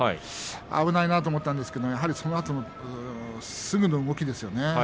危ないなと思ったんですがそのあとのすぐの動きですね。